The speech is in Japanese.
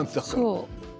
そう。